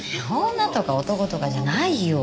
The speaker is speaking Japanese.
女とか男とかじゃないよ。